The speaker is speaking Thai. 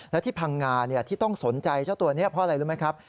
และที่พังงาที่ต้องสนใจเจ้าตัวนี้เพราะอะไรรู้ไหมครับ